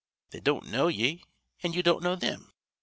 They don't know ye an' ye don't know thim.